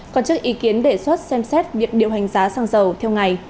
còn trước ý kiến đề xuất xem xét việc điều hành giá xăng dầu theo ngày